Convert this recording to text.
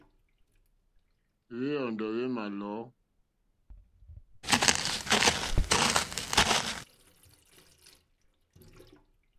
Wé yɔ́ndɔ̀ wé mà lɔ̌.